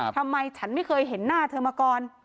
ทำไมฉันไม่เคยเห็นหน้าเธอมาก่อน